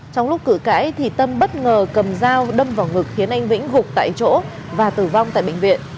trong lúc cử cãi thì tâm bất ngờ cầm dao đâm vào ngực khiến anh vĩnh gục tại chỗ và tử vong tại bệnh viện